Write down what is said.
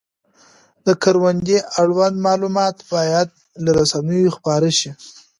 د کروندې اړوند معلومات باید له رسنیو خپاره شي.